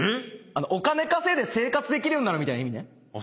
お金稼いで生活できるようになるみたいな意味ね。